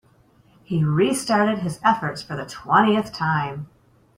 He restarted his efforts for the twentieth time.